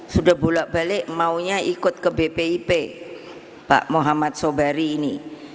sudah bolak balik maunya ikut ke bpip pak muhammad sobari ini